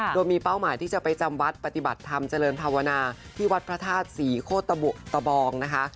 โดยมีเป้าหมายที่จะไปจำวัดปฏิบัติธรรมเจริญภาวนาที่วัดพระธาตุศรีโคตะบุตะบองนะคะ